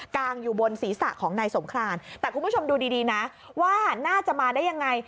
งอยู่บนศีรษะของนายสงครานแต่คุณผู้ชมดูดีดีนะว่าน่าจะมาได้ยังไง